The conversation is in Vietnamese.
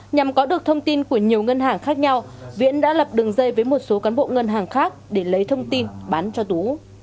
nhằm có được thông tin của nhiều ngân hàng khác nhau viễn đã lập đường dây với một số cán bộ ngân hàng khác để lấy thông tin bán cho tú